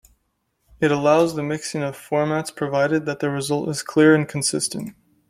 It allows the mixing of formats, provided that the result is clear and consistent.